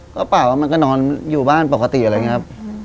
ก็เปล่าว่ามันก็นอนอยู่บ้านปกติอะไรอย่างนี้ครับ